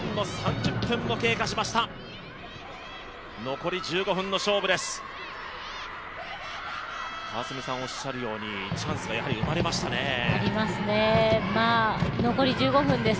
残り１５分の勝負です。